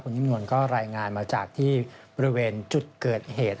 นิ่มนวลก็รายงานมาจากที่บริเวณจุดเกิดเหตุ